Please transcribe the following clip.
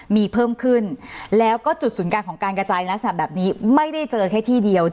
มีเพิ่มขึ้นแล้วก็จุดศูนย์กลางของการกระจายลักษณะแบบนี้ไม่ได้เจอแค่ที่เดียว